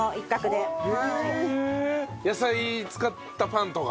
野菜使ったパンとか？